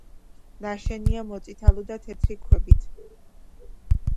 ნაშენია მოწითალო და თეთრი ქვებით.